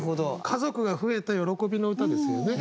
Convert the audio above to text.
家族が増えた喜びの歌ですよね。